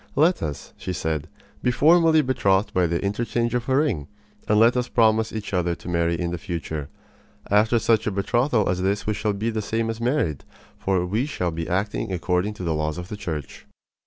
"Let us," she said, "be formally betrothed by the interchange of a ring, and let us promise each other to marry in the future. After such a betrothal as this we shall be the same as married; for we shall be acting according to the laws of the Church."